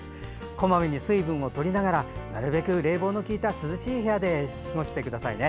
こまめに水分を取りながらなるべく冷房の効いた涼しい部屋で過ごしてください。